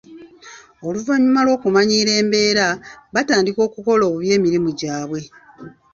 Oluvannyuma lw'okumanyiira embeera batandika okukola obubi emirimu gyabwe.